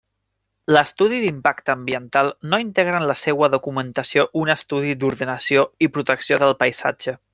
L'estudi d'impacte ambiental no integra en la seua documentació un estudi d'ordenació i protecció del paisatge.